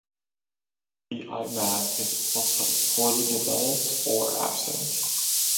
The eye mask is also poorly developed or absent.